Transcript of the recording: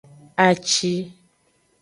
Aci.